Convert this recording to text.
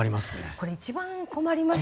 これ一番困りましたね。